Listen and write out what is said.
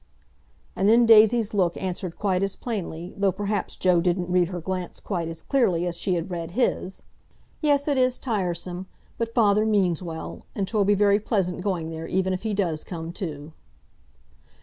And then Daisy's look answered quite as plainly, though perhaps Joe didn't read her glance quite as clearly as she had read his: "Yes, it is tiresome. But father means well; and 'twill be very pleasant going there, even if he does come too."